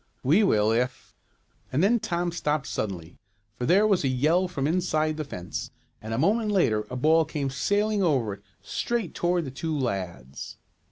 "We will, if " and then Tom stopped suddenly, for there was a yell from inside the fence and a moment later a ball came sailing over it, straight toward the two lads.